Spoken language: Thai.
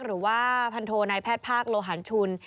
หรือว่าพันโทนายแพทย์ภาคโลหันชุน